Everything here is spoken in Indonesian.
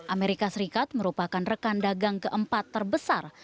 amerika serikat merupakan rekan dagang keempat terbesar